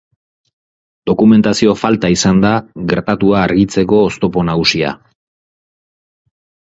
Dokumentazio falta izan da gertatua argitzeko oztopo nagusia.